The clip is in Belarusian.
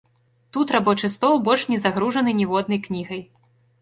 Тут рабочы стол больш не загружаны ніводнай кнігай.